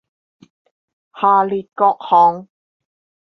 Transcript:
下列各項